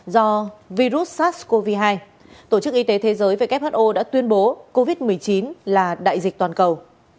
do virus sars cov hai tổ chức y tế thế giới who đã tuyên bố covid một mươi chín là đại dịch toàn cầu